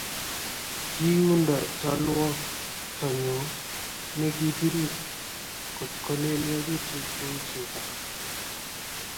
Kiundo cholwoktonyu negibir kotgolelagitu ku chego